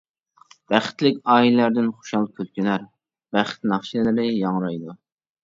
بەختلىك ئائىلىلەردىن خۇشال كۈلكىلەر، بەخت ناخشىلىرى ياڭرايدۇ.